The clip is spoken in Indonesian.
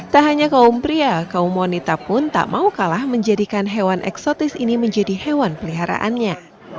tak hanya kaum pria kaum wanita pun tak mau kalah menjadikan hewan eksotis ini menjadi hewan peliharaannya